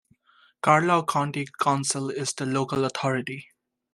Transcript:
Carlow County Council is the local authority.